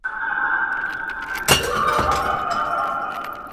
اوس به څوك د هندوكش سندري بولي.!